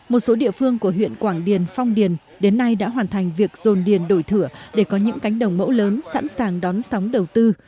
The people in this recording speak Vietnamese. một số địa phương của huyện quảng điền phong điền đến nay đã hoàn thành việc dồn điền đổi thửa để có những cánh đồng mẫu lớn sẵn sàng đón sóng đầu tư